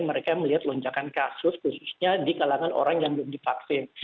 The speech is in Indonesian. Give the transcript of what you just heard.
mereka melihat lonjakan kasus khususnya di kalangan orang yang belum divaksin